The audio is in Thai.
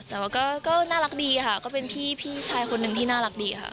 แต่ว่าก็น่ารักดีค่ะก็เป็นพี่ชายคนหนึ่งที่น่ารักดีค่ะ